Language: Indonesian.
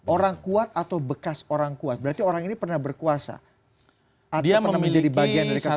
orang kuat atau bekas orang kuat berarti orang ini pernah berkuasa atau pernah menjadi bagian dari kekuasaan